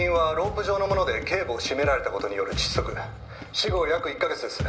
「死後約１カ月です」